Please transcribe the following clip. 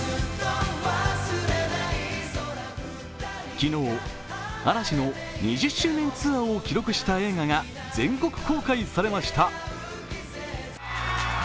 昨日、嵐の２０周年ツアーを記録した映画が全国公開されました。